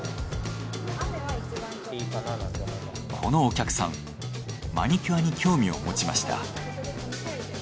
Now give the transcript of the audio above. このお客さんマニキュアに興味を持ちました。